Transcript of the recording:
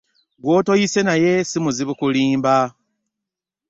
Gw'otoyise naye si muzibu kulimba.